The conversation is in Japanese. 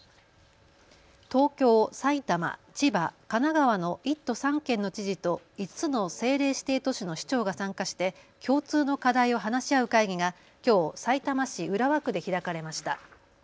東京、埼玉、千葉、神奈川の１都３県の知事と５つの政令指定都市の市長が参加して共通の課題を話し合う会議がきょう、さいたま市浦和区で開かれました。